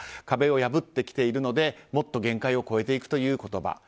壁を破ってきているのでもっと限界を超えていくという言葉。